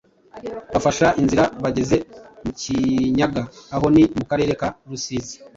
Bafashe inzira bageze mu Kinyaga aho ni mu Karere ka Rusizi,